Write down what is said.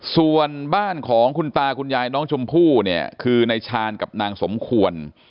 ส่วนบ้านของคุณตาคุณยายน้องชมพู่เนี่ยคือนายชาญกับนางสมควร